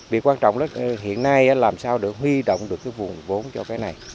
việc quan trọng là hiện nay làm sao để huy động được vùng vốn cho cái này